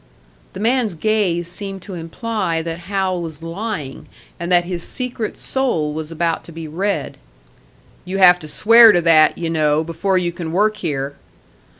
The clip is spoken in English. The man's gaze seemed to imply that Hal was lying, and that his secret soul was about to be read. "You have to swear to that, you know, before you can work here."